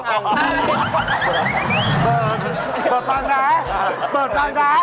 เปิดภายข้าวไหน